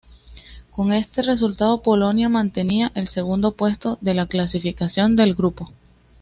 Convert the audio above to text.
Con este resultado, Polonia mantenía el segundo puesto de la clasificación del grupo.